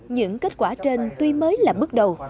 những kết quả trên tuy mới là bước đầu